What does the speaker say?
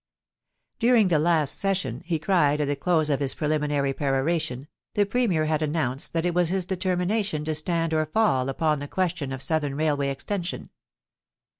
During the last session, he cried at the close of this pre liminary peroration, the Premier had announced that it was his determination to stand or fall upon the question of Southern Railway Extension.